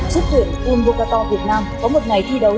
xuất tuyển unvocator việt nam có một ngày thi đấu